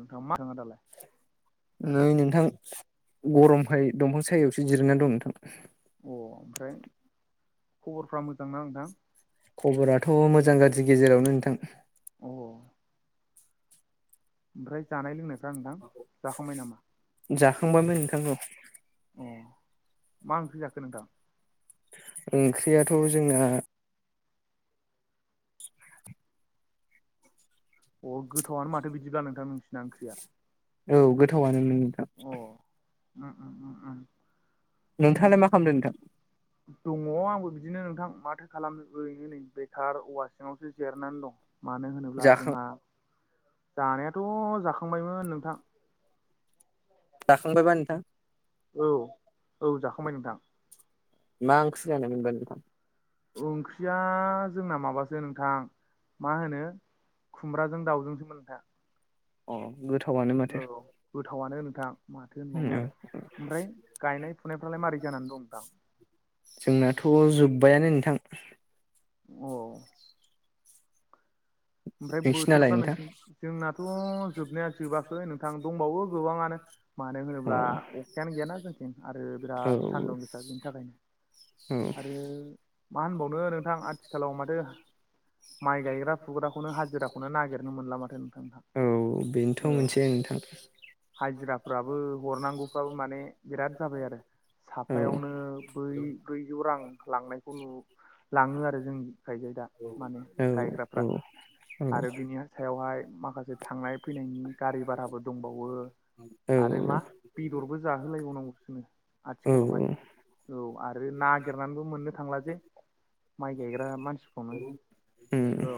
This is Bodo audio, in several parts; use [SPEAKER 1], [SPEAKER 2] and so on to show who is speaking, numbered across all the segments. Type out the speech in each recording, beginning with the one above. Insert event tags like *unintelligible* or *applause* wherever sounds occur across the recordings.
[SPEAKER 1] नोंथाङा मा दङ दालाय?
[SPEAKER 2] नै नोंथां गरमखाय दंफां सायायावसो जिरना दं नोंथां।
[SPEAKER 1] अ ओमफ्राय खबरफ्रा मोजां ना नोंथां?
[SPEAKER 2] खबराथ' मोजां गाज्रि गेजेरावनो नोंथां।
[SPEAKER 1] अ। ओमफ्राय जानाय लोंनायफ्रा नोंथां जाखांबाय नामा?
[SPEAKER 2] जाखांबायमोन नोंथां औ।
[SPEAKER 1] अ मा ओंख्रि जाखो नोंथां?
[SPEAKER 2] ओंख्रियाथ' जोंना
[SPEAKER 1] अ गोथावनो माथो बिदिब्ला नोंथां नोंसिनिना ओंख्रिया।
[SPEAKER 2] औ गोथावआनोमोन
[SPEAKER 1] अ उम उम उम।
[SPEAKER 2] नोंथाङालाय
[SPEAKER 1] ओमफ्राय
[SPEAKER 2] मा खालामदों नोंथां?
[SPEAKER 1] दङ आंबो बिदिनो नोंथां माथो खालाम ओरैनो नै बेखार औवा सिङावसो जेरनानै दं। मानो होनोब्ला
[SPEAKER 2] जाखां
[SPEAKER 1] जोंहा जानायाथ' जाखांबायमोन नोंथां।
[SPEAKER 2] जाखांबायबा नोंथां?
[SPEAKER 1] औ औ जाखांबाय नोंथां।
[SPEAKER 2] मा ओंख्रि जानायमोनबा नोंथां।
[SPEAKER 1] ओंख्रिया जोंना माबासो नोंथां मा होनो खुमब्राजों दाउजोंसोमोन नोंथा।
[SPEAKER 2] अ। गोथावनो
[SPEAKER 1] औ गोथावनो नोंथां माथो होनबावनो
[SPEAKER 2] औ
[SPEAKER 1] आरो ओमफ्राय गायनाय फुनायफ्रालाय मारै जानानै दं नोंथां?
[SPEAKER 2] जोंनाथ' जोब्बायानो नोंथां।
[SPEAKER 1] अ। ओमफ्राय
[SPEAKER 2] नोंसिनालाय
[SPEAKER 1] बोथोरफ्रा
[SPEAKER 2] नोंथां
[SPEAKER 1] नोंसिनि, जोंनाथ' जोबनाया जोबाखै नोंथां दंबावो गोबाङानो। मानो
[SPEAKER 2] अ
[SPEAKER 1] होनोब्ला अखायानो गैयाना जोंथिं आरो
[SPEAKER 2] औ
[SPEAKER 1] बिराद सान्दुं गोसा बेनि थाखायनो।
[SPEAKER 2] औ
[SPEAKER 1] आरो मा होनबावनो नोंथां आथिखालाव माथो। माइ गायग्रा फुग खौनो हाजिराखौनो नागिरनो मोनला माथो नोंथां
[SPEAKER 2] औ बेनोथ'
[SPEAKER 1] औ।
[SPEAKER 2] मोनसे नोंथां
[SPEAKER 1] हाजिराफ्राबो हरनांगौफ्राबो माने बिराद जाबाय आरो।
[SPEAKER 2] औ
[SPEAKER 1] साफायावनो बै ब्रैजौ रां लांनायखौ नु लाङो आरो जोंनि गायजायो दा माने
[SPEAKER 2] औ औ
[SPEAKER 1] गायग्राफ्रा आरो बिनि सायावहाय माखासे थांनाय फैनायनि गारि भाराबो दंबावो आरो मा
[SPEAKER 2] औ
[SPEAKER 1] बेदरबो जाहोलायबावनांगौनो
[SPEAKER 2] औ
[SPEAKER 1] आथिखालावहाय।
[SPEAKER 2] औ
[SPEAKER 1] औ आरो नागिरनानैबो मोननो थांला जे माइ गायग्रा मानसिखौनो।
[SPEAKER 2] उम
[SPEAKER 1] औ।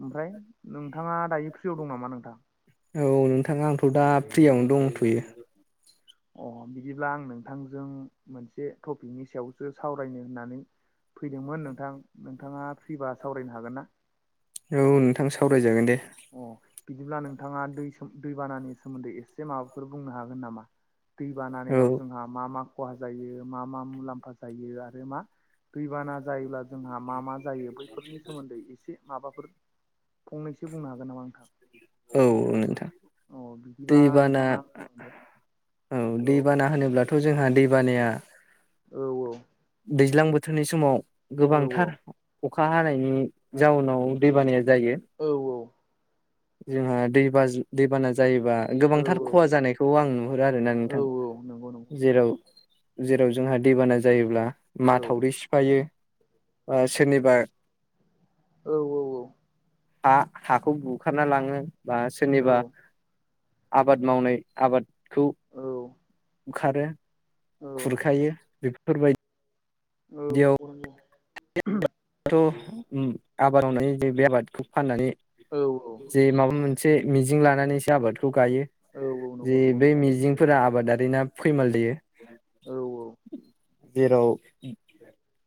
[SPEAKER 1] ओमफ्राय नोंथाङा दायो फ्रियाव दं नामा नोंथां?
[SPEAKER 2] औ नोंथाङा आंथ' दा फ्रियावनो दंथ'यो।
[SPEAKER 1] अ बिदिब्ला आं नोंथांजों मोनसे टपिकनि सायावसो सावरायनो होननानै फैदोंमोन नोंथां नोंथाङा फ्रिबा सावरायनो हागोन ना?
[SPEAKER 2] औ नोंथां सावरायजागोन दे।
[SPEAKER 1] अ बिदिब्ला नोंथाङा दै सोम दैबानानि सोमोन्दै एसे माबाफोर बुंनो हागोन नामा?
[SPEAKER 2] औ
[SPEAKER 1] दैबानानायाव जोंहा मा मा खहा जायो मा मा मुलाम्फा जायो आरो मा दैबाना जायोब्ला जोंहा मा मा जायो बैफोरनि सोमोन्दै एसे माबाफोर फंनैसो सो बुंनो हागोन नामा नोंथां
[SPEAKER 2] औ नोंथां
[SPEAKER 1] अ बिदिबा
[SPEAKER 2] दैबाना
[SPEAKER 1] नोंथाङा बुंलांदो
[SPEAKER 2] औ दैबाना होनोब्लाथ' जोंहा दैबानाया
[SPEAKER 1] औ औ।
[SPEAKER 2] दैज्लां बोथोरनि समाव
[SPEAKER 1] औ
[SPEAKER 2] गोबांथार अखा हानायनि जाउनाव दैबानाया जायो।
[SPEAKER 1] औ
[SPEAKER 2] जोंहा दै बाज दैबाना जायोबा गोबांथार
[SPEAKER 1] औ औ
[SPEAKER 2] खहा जानायखौ आं नुहरो आरोना
[SPEAKER 1] औ
[SPEAKER 2] नोंथां।
[SPEAKER 1] नंगौ नंगौ नोंथां।
[SPEAKER 2] जेराव जेराव जोंहा दैबाना जायोब्ला
[SPEAKER 1] औ
[SPEAKER 2] माथावरि सिफायो। ओ सोरनिबा
[SPEAKER 1] औ औ औ।
[SPEAKER 2] हा-हाखौ बुखारना लाङो। बा
[SPEAKER 1] औ
[SPEAKER 2] सोरनिबा आबाद मावनाय आबादखौ
[SPEAKER 1] औ।
[SPEAKER 2] बुखारो
[SPEAKER 1] औ
[SPEAKER 2] खुरखायो बेफोरबायदि दियाव
[SPEAKER 1] *unintelligible*
[SPEAKER 2] *inaudible*
[SPEAKER 1] औ औ।
[SPEAKER 2] जे माबा मोनसे मिजिं लानानैसो आबादखौ गायो
[SPEAKER 1] औ औ नंगौ
[SPEAKER 2] जे
[SPEAKER 1] नंगौ
[SPEAKER 2] बे
[SPEAKER 1] नोंथां
[SPEAKER 2] मिजिं फोरा आबादारिना फैमाल जायो।
[SPEAKER 1] औ औ।
[SPEAKER 2] जेराव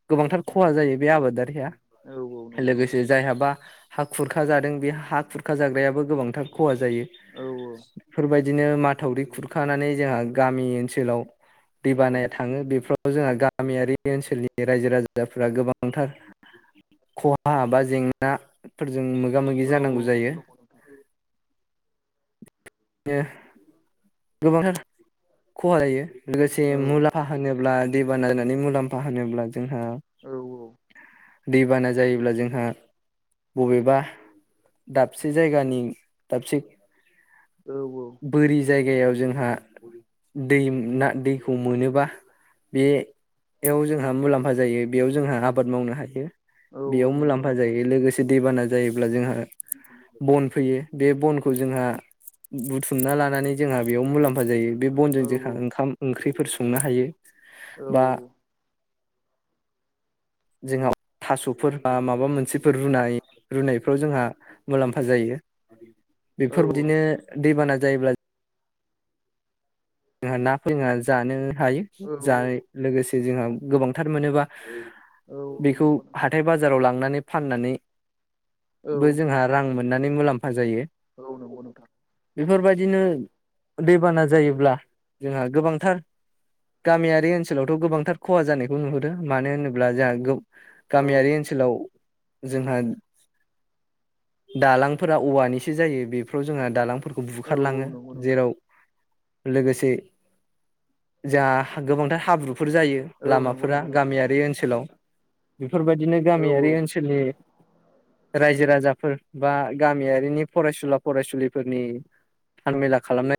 [SPEAKER 2] गोबांथार खहा जायो बे आबादारिया
[SPEAKER 1] औ औ नंगौ नंगौ
[SPEAKER 2] लोगोसे
[SPEAKER 1] नोंथां
[SPEAKER 2] जायहाबा हा खुरखाजादों बे हा खुरखा जाग्रायाबो गोबांथार खहा जायो
[SPEAKER 1] औ
[SPEAKER 2] बेफोरबायदि बिदिनो माथावरि खुरखानानै जोंहा गामि ओनसोलाव दै
[SPEAKER 1] औ
[SPEAKER 2] बानाया थाङो बेफ्राव जोंहा गामियारि ओनसोलनि रायजो राजा फोरा गोबांथार खहा बा जेंना फोरजों मोगा मोगि
[SPEAKER 1] औ
[SPEAKER 2] जानांगौ
[SPEAKER 1] नंगौ
[SPEAKER 2] जायो।
[SPEAKER 1] नंगौ नोंथां
[SPEAKER 2] *unintelligible* गोबांथार खहा जायो लोगोसे
[SPEAKER 1] औ
[SPEAKER 2] मुलाम्फा होनोब्ला दैबाना जानायनि मुलाम्फा होनोब्ला जोंहा
[SPEAKER 1] औ औ।
[SPEAKER 2] दैबाना जायोब्ला जोंहा बबेबा दाबसे जायगानि दाबसे
[SPEAKER 1] औ औ।
[SPEAKER 2] बोरि जायगायाव जोंहा दै ना दैखौ मोनोबा बेयाव जोंहा मुलाम्फा जायो बेयाव जोंहा आबाद मावनो हायो।
[SPEAKER 1] औ औ
[SPEAKER 2] बेयाव
[SPEAKER 1] नंगौ
[SPEAKER 2] मुलाम्फा
[SPEAKER 1] नोंथां
[SPEAKER 2] जायो लोगोसे दैबाना जायोब्ला जोंहा बन फैयो बे बनखौ जोंहा बुथुमना लानानै जोंहा बेयाव मुलाम्फा जायो बे
[SPEAKER 1] औ नंगौ नोंथां औ नंगौ नोंथां औ
[SPEAKER 2] बनजों जोंहा ओंखाम ओंख्रिफोर संनो हायो बा जोंहा थास'फोर बा माबा मोनसेफोर रुनाय रुनायफ्राव जोंहा मुलाम्फा जायो बेफोरबायदिनो दैबाना जायोब्ला जोंहा नाफोर जोंहा जानो हायो जानाय लोगोसे जोंहा गोबांथार मोनोबा बेखौ हाथाय बाजाराव लांनानै फाननानैबो जोंहा रां मोननानै मुलाम्फा जायो।
[SPEAKER 1] औ नंगौ नोंथां।
[SPEAKER 2] बेफोरबायदिनो दैबाना जायोब्ला जोंहा गोबांथार गामियारि ओनसोलावथ' गोबांथार खहा जानायखौ नुहुरो मानो होनोब्ला जाहा गामियारि
[SPEAKER 1] औ
[SPEAKER 2] ओनसोलाव जोंहा दालांफोरा औवानिसो जायो बेफोराव जोंहा दालांफोरखौ
[SPEAKER 1] औ
[SPEAKER 2] बुखारलांङो जेराव
[SPEAKER 1] औ
[SPEAKER 2] लोगोसे जा गोबांथार हाब्रुफोर जायो। लामाफोरा गामियारि ओनसोलाव बेफोर बायदिनो गामियारि ओनसोलनि रायजो राजाफोर बा गामियारिनि फरायसुला फरायसुलिफोरनि हाल मेला खालामनाय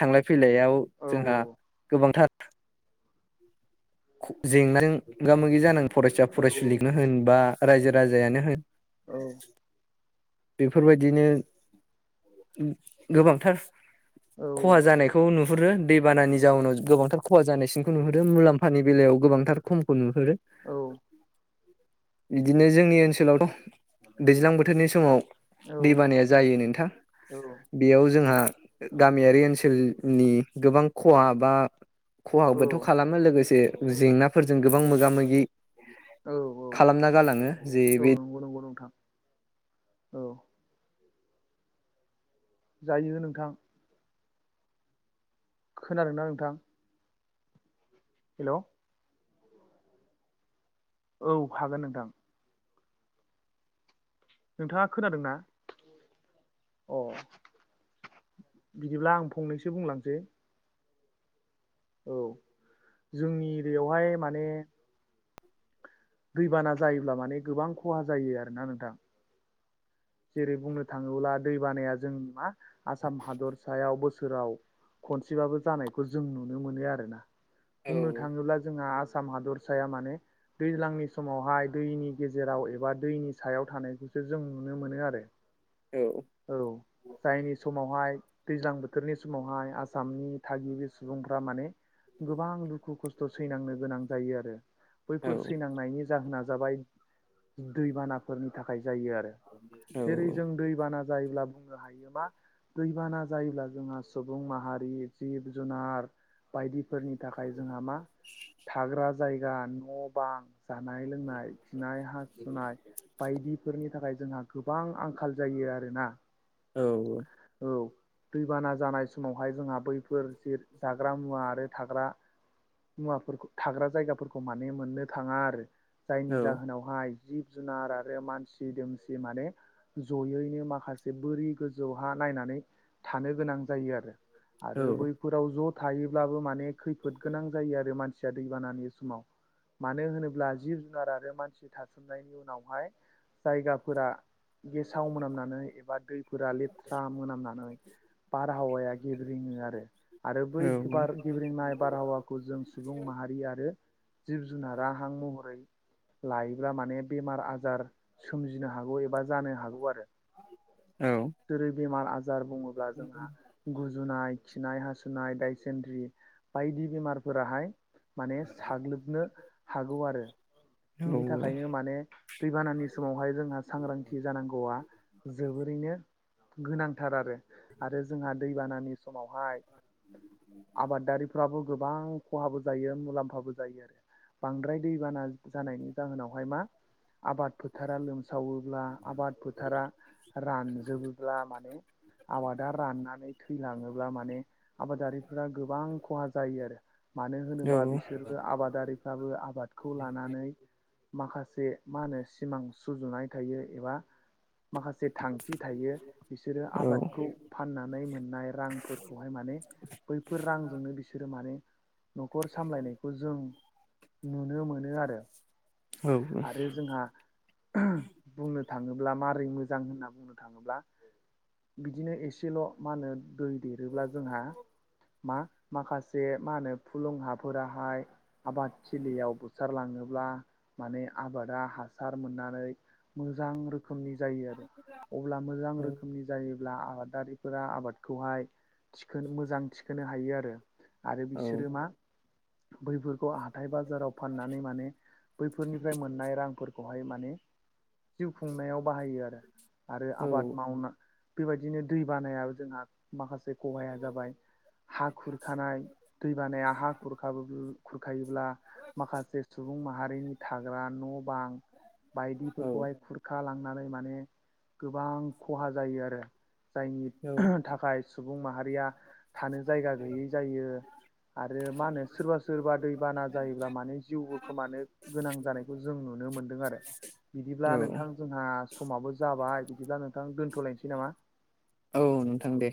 [SPEAKER 2] थांलाय फैलायाव जोंहा गोबांथार जेंनाजों मोगा मोगि जानांग फरायसा
[SPEAKER 1] औ
[SPEAKER 2] फरायसुलिनो होन बा रायजो राजायानो होन
[SPEAKER 1] औ
[SPEAKER 2] बेफोरबायदिनो गोबांथार
[SPEAKER 1] औ
[SPEAKER 2] खहा जानाय खौ नुहुरो दैबानानि जाउनाव गोबांथार खहा जानायसिनखौ नुहरो मुलाम्फानि बेलायाव गोबांथार खमखौ नुहुरो।
[SPEAKER 1] औ
[SPEAKER 2] इदिनो जोंनि ओनसोलावथ' दैज्लां बोथोरनि समाव
[SPEAKER 1] औ
[SPEAKER 2] दै बानाया जायो नोंथां। बेयाव जोंहा गामियारि ओनसोलनि गोबां खहा बा
[SPEAKER 1] औ
[SPEAKER 2] खहाबोथ' खालामो लोगोसे जेंनाफोरजों गोबां मोगा मोगि
[SPEAKER 1] औ औ
[SPEAKER 2] खालामना गालाङो जे
[SPEAKER 1] औ
[SPEAKER 2] बे
[SPEAKER 1] नंगौ नंगौ नोंथां औ जायो नोंथां। खोनादोंना नोंथां? हेलौ औ हागोन नोंथां। नोंथांङा खोनादों ना? अ बिदिब्ला आं फंनैसो बुंलांसै औ जोंनि इरियावहाय माने दैबाना जायोब्ला माने गोबां खहा जायो आरोना नोंथां। जेरै बुंनो थांङोब्ला दै बानाया जों नंङा आसाम हादरसायाव बोसोराव खनसेबाबो जानायखौ जों नुनो मोनो आरोना बुंनो थांङोब्ला जोंहा साम हादर साया माने दैज्लांनि समावहाय दैनि गेजेराव एबा दैनि सायाव थानायखौसो जों नुनो मोनो आरो।
[SPEAKER 2] औ
[SPEAKER 1] औ जायनि समावहाय दैज्लां बोथोरनि समावहाय आसामनि थागिबि सुबुंफ्रा माने गोबां दुखु खस्थ' सैनांनो गोनां जायो आरो।
[SPEAKER 2] औ
[SPEAKER 1] बैफोर सैनांनायनि जाहोना जाबाय दैबानाफोरनि थाखाय जायो आरो। जेरै जों दैबाना जायोब्ला बुंनो हायो मा दैबाना जायोब्ला जोंहा सुबुं माहारि जिब जुनार बायदिफोरनि थाखाय जोंहा मा थाग्रा जायगा न' बां जानाय लोंनाय खिनाय हासुनाय बायदिफोरनि थाखाय जोंहा गोबां आंखाल जायो आरोना।
[SPEAKER 2] औ औ
[SPEAKER 1] औ दैबाना जानाय समावहाय जोंहा बैफोर जेर जाग्रा मुवा आरो थाग्रा मुवाफोरखौ थाग्रा जायगाफोरखौ माने मोननो थांङा आरो
[SPEAKER 2] औ
[SPEAKER 1] जायनि जाहोनाव हाय जिब जुनार आरो मानसि दोमसि माने ज'यैनो माखासे बोरि गोजौ हा नायनानै थानो गोनां जायो आरो आरो बै फोराव ज' थायोब्लाबो माने खैफोद गोनां जायो आरो मानसिया दैबानानि समाव मानो होनोब्ला जिब जुनार आरो मानसि थासोमनायनि उनावहाय जायगाफोरा गेसाव मोनामनानै एबा दैफोरा लेथ्रा मोनामनानै बारहावाया गेब्रेङो आरो। आरो बैार गेब्रेनाय बारहावाखौ जों सुबुं माहारि आरो जिब जुनारा हां महरै लायोब्ला माने बेमार आजार सोमजिनो हागौ एबा जानो हागौ आरो।
[SPEAKER 2] औ
[SPEAKER 1] दोरै बेमार आजार बुङोब्ला जोंहा गुजुनाय, खिनाय, हासुनाय, दायसेेनद्रि बायदि बेमारफोराहाय माने साग्लोबनो हागौ आरो
[SPEAKER 2] औ
[SPEAKER 1] बिनि थाख खायनो माने दैबानानि समावहाय जोंहा सांग्रांथि जानांगौआ जोबो रैनो गोनांथार आरो आरो जोंहा दैबानानि समावहाय आबादारिफ्राबो गोबां खहाबो जायो मुलाम्फाबो जायो आरो बांद्राय दैबाना जानायनि जाहोनावहाय मा आबाद फोथारा लोमसावोब्ला आबाद फोथारा रानजोबोब्ला माने आबादा राननानै थैलाङोब्ला माने आबादारिफोरा गोबां खहा जायो आरो। मानो होनोबा
[SPEAKER 2] औ
[SPEAKER 1] बिसोरबो आबादारिफ्राबो आबादखौ लानानै माखासे मा होनो सिमां सुजुनाय थायो एबा माखासे जे थांखि थायो बिसोरो
[SPEAKER 2] औ
[SPEAKER 1] आबादखौ फाननानै मोननाय रांफोरखौहाय माने बैफोर रांजोंनो बिसोरो माने न'खर सामलायनायखौ जों नुनो मोनो आरो।
[SPEAKER 2] औ
[SPEAKER 1] आरो जोंहा बुंनो थाङोब्ला मारोरै मो जां होनना बुंनो थाङोब्ला बिदिनो एसेल' मा होनो दै देरोब्ला जोंहा मा माखासे मा होनो फुलुं हाफोराहाय आबादथिलियाव बुसारलाङोब्ला माने आबादा हासार मोननानै मोजां रोखोमनि जायो आरो। अब्ला मोजां
[SPEAKER 2] औ
[SPEAKER 1] रोखोमनि जायोब्ला आबादारिफोरा आबादखौहाय थिखोन मोजां थिखोनो हायो आरो। आरो बिसोरो मा बैफोरखौ थाय बाजाराव फाननानै माने बैफोरनिफ्राय मोननाय रांफोर खौहाय माने जिउ खुंनायाव बाहायो आरो आरो
[SPEAKER 2] औ
[SPEAKER 1] आबाद मावना बेबायदिनो दै बानायाव जोंहा माखासे खहाया जाबाय हा खुरखानाय, दैबानाया हा खुरखाबो खुरखायोब्ला माखासे सुबुं माहारिनि थाग्रा न' बां बायदिफोरखौहाय खुर खा लांनानै माने गोबां खहा जायो आरो। जायनि थाखाय सुबुं माहारिया थानो जायगा गैयै जायो आरो मा होनो सोरबा सोरबा दैबाना जायोब्ला मानोे जिउबो खोमानो गोनां जानायखौ जों नुनो मोनदों आरो
[SPEAKER 2] औ
[SPEAKER 1] बिदिब्ला नोंथां जोंहा समाबो जाबाय बिदिब्ला नोंथां दोन्थ'लायनोसै नामा?
[SPEAKER 2] औ नोंथां दे